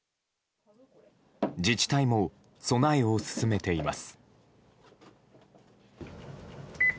自治体も備えを進めています。